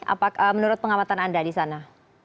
apa menurut pengamatan anda di sana